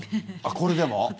これでも？